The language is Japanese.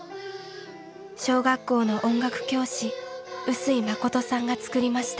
小学校の音楽教師臼井真さんが作りました。